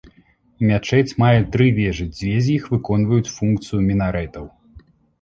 Мячэць мае тры вежы, дзве з іх выконваюць функцыю мінарэтаў.